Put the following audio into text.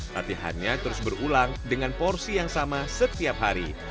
latihannya terus berulang dengan porsi yang sama setiap hari